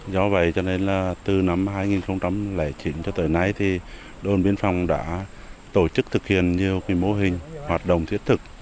do vậy cho nên là từ năm hai nghìn chín cho tới nay thì đồn biên phòng đã tổ chức thực hiện nhiều mô hình hoạt động thiết thực